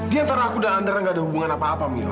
diantara aku dan andara gak ada hubungan dengan kamila